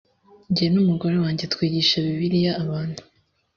jye n umugore wanjye twigisha bibiliya abantu